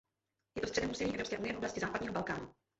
Je to středem úsilí Evropské unie v oblasti západního Balkánu.